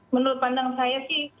menurut pandang saya sih